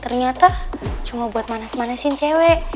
ternyata cuma buat manas manasin cewek